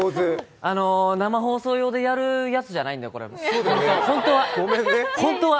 生放送用でやるやつじゃないんで、本当は。